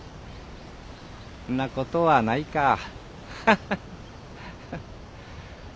んなことはないかアハハ。